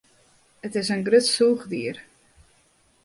It is in grut sûchdier.